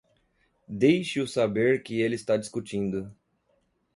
Deixe-o saber que ele está discutindo